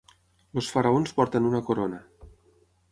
Els faraons porten una corona.